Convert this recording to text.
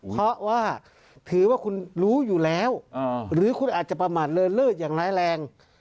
เพราะว่าถือว่าคุณรู้อยู่แล้วหรือคุณอาจจะประมาทเลินเลิศอย่างร้ายแรง